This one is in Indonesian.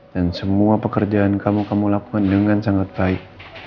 dan semua pekerjaan kamu kamu lakukan dengan sangat baik